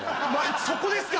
そこですか？